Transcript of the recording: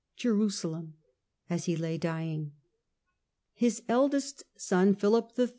Jerusalem !" as he lay dying. His eldest son, Philip III.